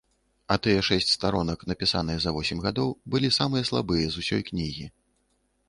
А тыя шэсць старонак, напісаныя за восем гадоў, былі самыя слабыя з усёй кнігі.